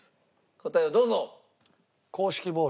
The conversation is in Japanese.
答えをどうぞ。